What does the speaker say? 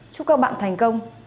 chúc các bạn thành công